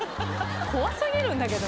怖すぎるんだけど。